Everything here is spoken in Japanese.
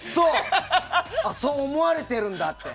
そう思われてるんだって。